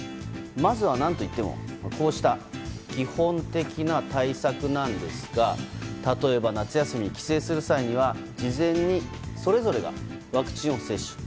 まずは、何といってもこうした基本的な対策なんですが例えば、夏休みに帰省する際には事前にそれぞれがワクチンを接種。